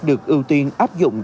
được ưu tiên áp dụng